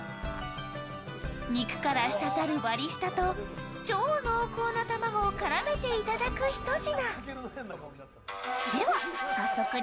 肉から滴る割り下と超濃厚な卵を絡めていただく一品。